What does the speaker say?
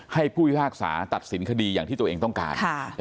ผู้พิพากษาตัดสินคดีอย่างที่ตัวเองต้องการ